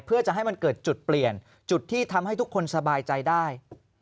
เพื่อจะให้มันเกิดจุดเปลี่ยนจุดที่ทำให้ทุกคนสบายใจได้